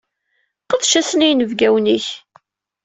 Qdec-asen i yinebgawen-ik.